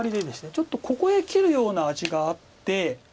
ちょっとここへ切るような味があって。